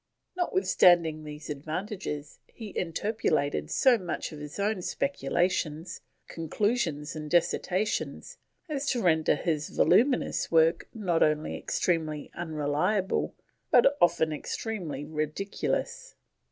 Notwithstanding these advantages he interpolated so much of his own speculations, conclusions, and dissertations, as to render his voluminous work not only extremely unreliable but often extremely ridiculous.